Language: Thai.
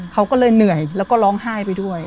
เขาก็เลยเหนื่อยแล้วก็ร้องไห้ไปด้วย